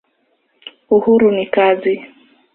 Uhuru ni kazi.